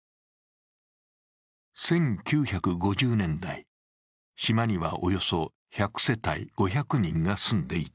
１９５０年代、島にはおよそ１００世帯５００人が住んでいた。